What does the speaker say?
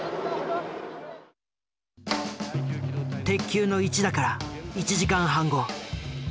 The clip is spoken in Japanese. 鉄球の一打から１時間半後。